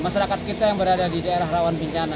masyarakat kita yang berada di daerah rawan bencana